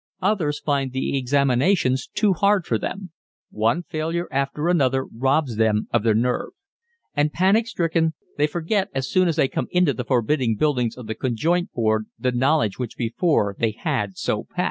Others find the examinations too hard for them; one failure after another robs them of their nerve; and, panic stricken, they forget as soon as they come into the forbidding buildings of the Conjoint Board the knowledge which before they had so pat.